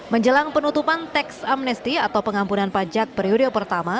menjelang penutupan teks amnesty atau pengampunan pajak periode pertama